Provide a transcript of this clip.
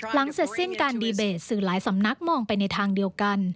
เสร็จสิ้นการดีเบตสื่อหลายสำนักมองไปในทางเดียวกัน